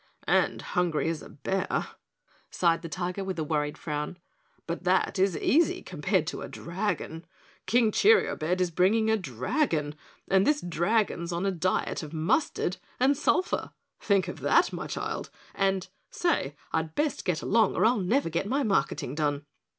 "And hungry as a bear," sighed the Tiger with a worried frown. "But that is easy compared to a dragon. King Cheeriobed is bringing a dragon, and this dragon's on a diet of mustard and sulphur think of that, my child, and SAY I'd best get along or I'll never get my marketing done."